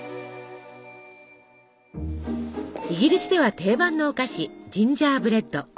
イギリスでは定番のお菓子ジンジャーブレッド。